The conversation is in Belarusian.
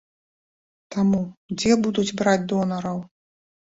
Таму дзе будуць браць донараў?